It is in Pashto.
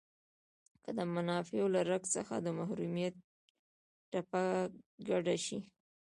که د منافعو له رګ څخه د محرومیت تبه کډه شي.